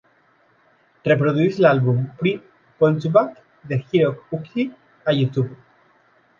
Reprodueix l'àlbum Prvi Poljubac de Hiroki Uchi a YouTube.